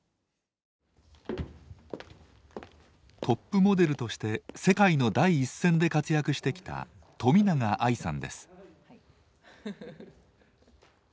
トップモデルとして世界の第一線で活躍してきた冨永愛さんです。